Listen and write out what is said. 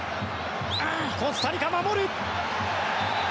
コスタリカ、守る。